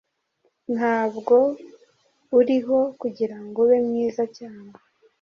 Ntabwo uriho kugirango ube mwiza cyane